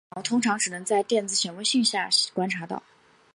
线毛通常只能在电子显微镜下观察到。